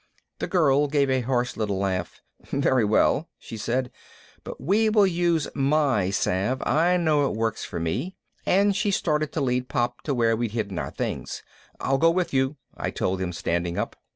The girl gave a harsh little laugh. "Very well," she said, "but we will use my salve, I know it works for me." And she started to lead Pop to where we'd hidden our things. "I'll go with you," I told them, standing up.